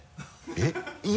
えっ？